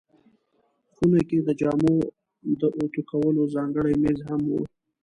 خونه کې د جامو د اوتو کولو ځانګړی مېز هم و.